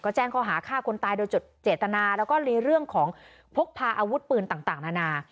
ก็แจ้งข้อหาฆ่าคนตายโดยจดเจตนาแล้วก็ในเรื่องของพกพาอาวุธปืนต่างนานา